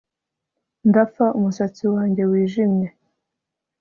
Ndapfa umusatsi wanjye wijimye